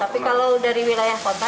tapi kalau dari wilayah kota